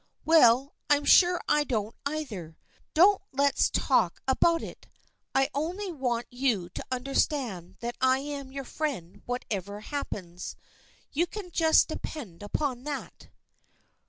" Well, I'm sure I don't either. Don't let's talk about it. I only want you to understand that I am your friend whatever happens. You can just depend on that."